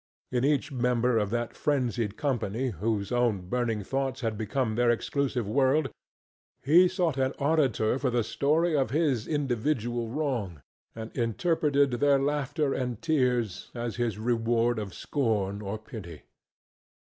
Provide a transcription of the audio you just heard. In each member of that frenzied company whose own burning thoughts had become their exclusive world he sought an auditor for the story of his individual wrong, and interpreted their laughter and tears as his reward of scorn or pity.